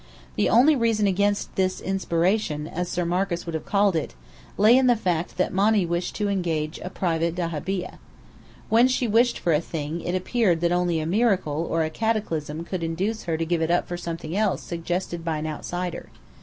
The only reason against this "inspiration" (as Sir Marcus would have called it), lay in the fact that Monny wished to engage a private dahabeah. When she wished for a thing, it appeared that only a miracle or a cataclysm could induce her to give it up for something else suggested by an outsider.